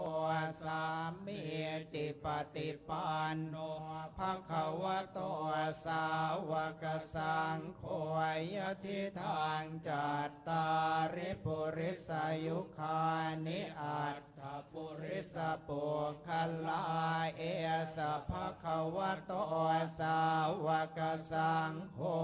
ปูอสำมีทิปัตติปันโนพ่ะเขาโตสาวคสังโคอยาทิทางจัตตาริปุริสไยยุคานิอัดจัปุริสปุคละเอสโภพะเขาโตสาวคสังโค